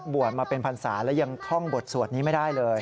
มาเป็นพันศาแล้วยังท่องบทสวดนี้ไม่ได้เลย